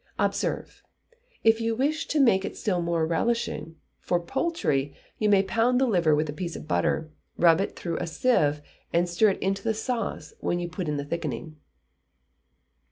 Observe If you wish to make it still more relishing for poultry, you may pound the liver with a piece of butter, rub it through a sieve, and stir it into the sauce when you put in the thickening.